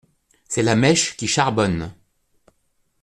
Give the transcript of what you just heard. C’est la mèche qui charbonne…